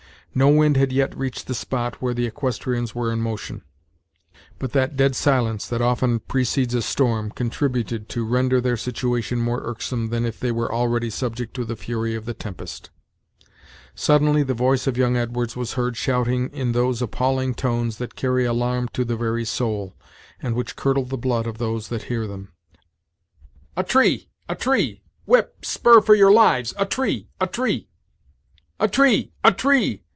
No wind had yet reached the spot where the equestrians were in motion, but that dead silence that often precedes a storm contributed to render their situation more irksome than if they were already subject to the fury of the tempest. Suddenly the voice of young Edwards was heard shouting in those appalling tones that carry alarm to the very soul, and which curdle the blood of those that hear them. "A tree! a tree! Whip spur for your lives! a tree! a tree." "A tree! a tree!"